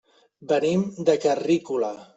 Venim de Carrícola.